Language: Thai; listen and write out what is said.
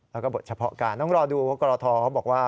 แล้วก็บทเฉพาะการต้องรอดูว่ากรทเขาบอกว่า